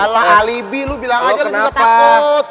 alah alibi lu bilang aja lu juga takut